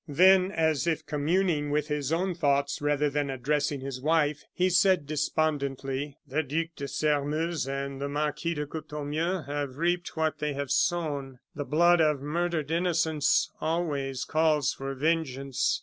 Then, as if communing with his own thoughts, rather than addressing his wife, he said, despondently: "The Duc de Sairmeuse and the Marquis de Courtornieu have reaped what they have sown. The blood of murdered innocence always calls for vengeance.